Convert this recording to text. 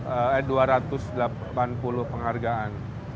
eh dua ratus delapan puluh penghargaan